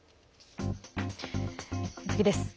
次です。